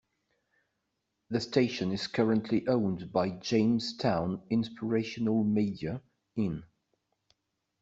The station is currently owned by Jamestown Inspirational Media, In.